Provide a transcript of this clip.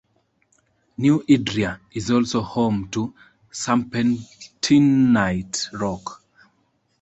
New Idria is also home to serpentinite rock.